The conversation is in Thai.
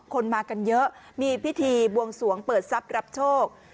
คนมากันเยอะมีพิธีบวงสวงเปิดทรัพย์รับโชค